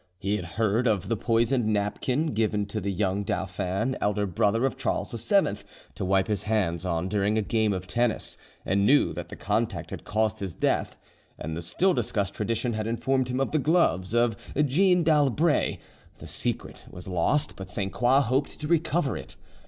He had heard of the poisoned napkin given to the young dauphin, elder brother of Charles VII, to wipe his hands on during a game of tennis, and knew that the contact had caused his death; and the still discussed tradition had informed him of the gloves of Jeanne d'Albret; the secret was lost, but Sainte Croix hoped to recover it.